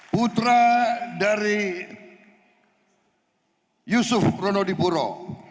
putra dari yusuf ronodipuro